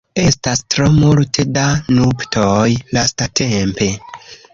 Estas tro multe da nuptoj lastatempe.